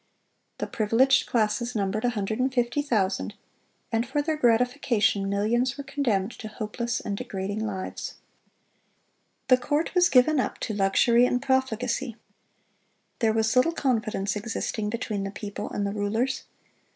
The privileged classes numbered a hundred and fifty thousand, and for their gratification millions were condemned to hopeless and degrading lives."(415) The court was given up to luxury and profligacy. There was little confidence existing between the people and the rulers.